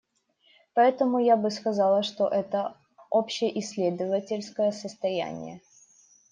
Поэтому я бы сказала, что это общеисследовательское состояние.